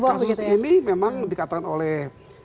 kasus ini memang dikatakan oleh